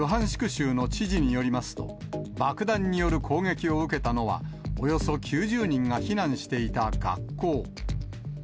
州の知事によりますと、爆弾による攻撃を受けたのは、およそ９０人が避難していた学校。